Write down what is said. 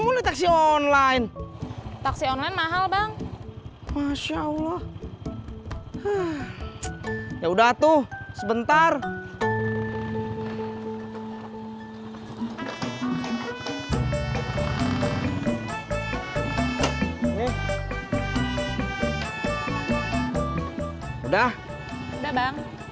mau naik taksi online taksi online mahal bang masya allah ya udah tuh sebentar udah udah bang